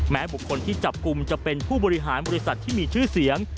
บุคคลที่จับกลุ่มจะเป็นผู้บริหารบริษัทที่มีชื่อเสียง